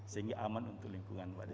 sehingga aman untuk lingkungan mbak desi